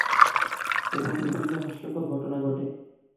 এবং বিভিন্ন হাস্যকর ঘটনা ঘটে।